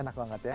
enak banget ya